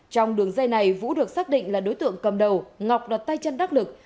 trong đường dây này vũ được xác định là đối tượng cầm đầu ngọc đặt tay chân đắc lực